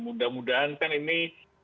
mudah mudahan kan ini